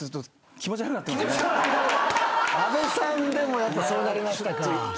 阿部さんでもやっぱそうなりましたか。